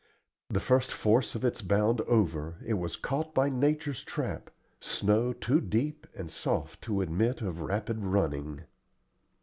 The first force of its bound over, it was caught by nature's trap snow too deep and soft to admit of rapid running.